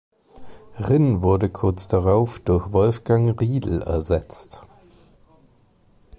Rinn wurde kurz darauf durch Wolfgang Riedel ersetzt.